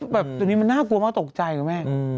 แบบนี้มันน่ากลัวมากตกใจนะแม่